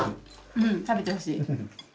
うん食べてほしい。